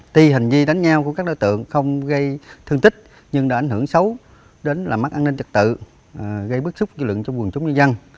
tuy hình như đánh nhau của các đối tượng không gây thương tích nhưng đã ảnh hưởng xấu đến mắc an ninh chất tự gây bức xúc kỷ lượng trong quần chống nhân dân